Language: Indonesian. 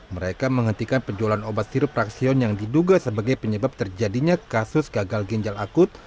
mereka menghentikan penjualan obat sirup fraksion yang diduga sebagai penyebab terjadinya kasus gagal ginjal akut